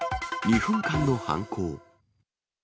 ２分間の犯行。